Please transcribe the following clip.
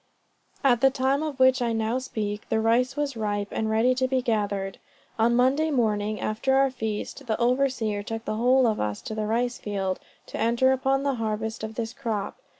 At the time of which I now speak, the rice was ripe, and ready to be gathered. On Monday morning, after our feast, the overseer took the whole of us to the rice field, to enter upon the harvest of this crop.